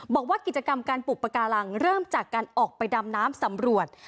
บอกว่ากิจกรรมการปลูกปากการังเริ่มจากการออกไปดำน้ำสำรวจ